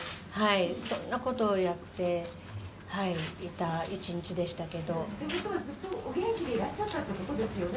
そんなことをやっていた一日でしたけど。ということは、ずっとお元気でいらっしゃったっていうことですよね？